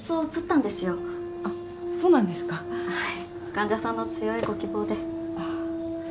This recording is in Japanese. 患者さんの強いご希望で。